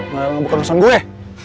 malah ngebuka nusant gue